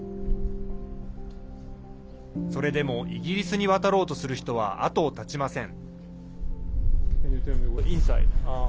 それでもイギリスに渡ろうとする人は後を絶ちません。